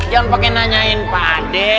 jangan pakai nanyain pak ade